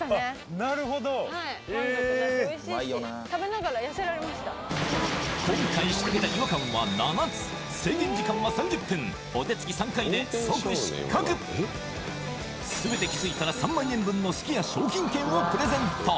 なるほどはい満足だしおいしいし今回仕掛けた違和感は７つ制限時間は３０分お手つき３回で即失格全て気づいたら３万円分のすき家商品券をプレゼント